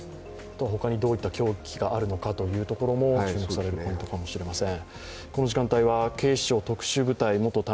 他にどういった凶器があるのかというところも、注目されるポイントかもしれません。